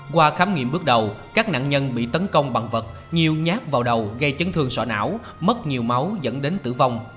qua khám nghiệm bước đầu các nạn nhân bị tấn công bằng vật nhiều nhát vào đầu gây chấn thương sọ não mất nhiều máu dẫn đến tử vong